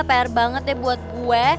per banget deh buat gue